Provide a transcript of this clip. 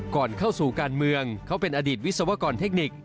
ก่อนเข้าสู่การเมืองเขาเป็นอดีตวิศวกรเทคนิค